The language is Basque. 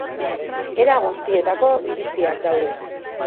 Era guztietako iritziak daude.